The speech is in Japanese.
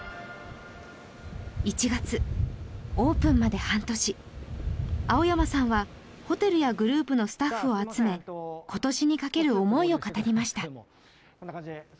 １月オープンまで半年青山さんはホテルやグループのスタッフを集め今年にかける思いを語りました